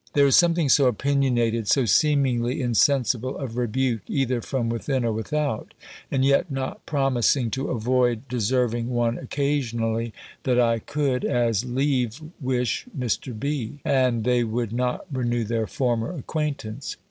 There is something so opiniated, so seemingly insensible of rebuke, either from within or without, and yet not promising to avoid deserving one occasionally, that I could as lieve wish Mr. B. and they would not renew their former acquaintance.